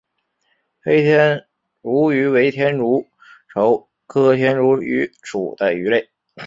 黑天竺鱼为天竺鲷科天竺鱼属的鱼类。